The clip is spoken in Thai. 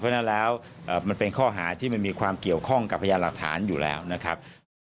เพราะฉะนั้นแล้วมันเป็นข้อหาที่มันมีความเกี่ยวข้องกับพยานหลักฐานอยู่แล้วนะครับ